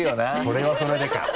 それはそれでか。